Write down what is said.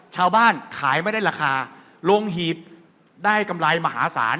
ขายไม่ได้ราคาลงหีบได้กำไรมหาศาล